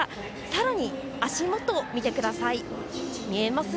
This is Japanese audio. さらに、足元見てください。